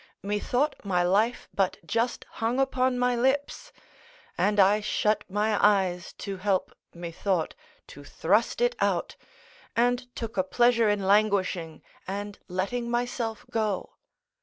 Methought my life but just hung upon my, lips: and I shut my eyes, to help, methought, to thrust it out, and took a pleasure in languishing and letting myself go.